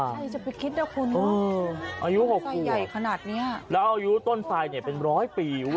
อายุ๖ปวดและอายุต้นไฟเป็น๑๐๐ปี